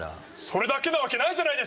それだけなわけない！